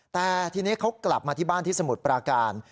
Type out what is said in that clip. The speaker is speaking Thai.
แต่ทีนี้เขากลับมาที่บ้านที่สมุทรปราการ